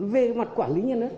về mặt quản lý nhà nước